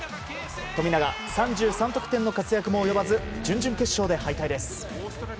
富永３３得点の活躍も及ばず準々決勝で敗退です。